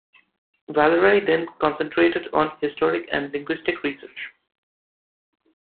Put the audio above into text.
Vallerie then concentrated on historic and linguistic research.